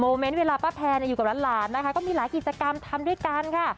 เมนต์เวลาป้าแพนอยู่กับหลานนะคะก็มีหลายกิจกรรมทำด้วยกันค่ะ